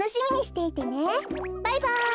バイバイ！